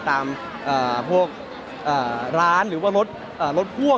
พวกร้านหรือว่ารถพ่วง